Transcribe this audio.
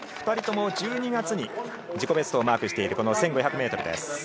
２人とも１２月に自己ベストをマークしているこの１５００ｍです。